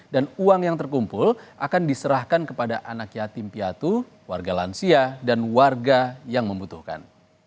dan uang yang terkumpul akan diserahkan kepada anak yatim piatu warga lansia dan warga yang membutuhkan